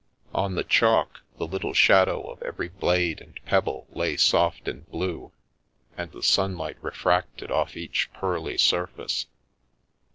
On the chalk the little shadow of every blade and pebble lay soft and blue, and the sunlight refracted off each pearly surface.